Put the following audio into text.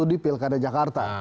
ukurannya pilkada jakarta ya